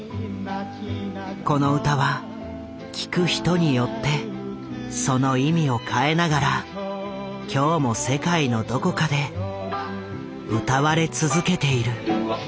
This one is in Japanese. この歌は聴く人によってその意味を変えながら今日も世界のどこかで歌われ続けている。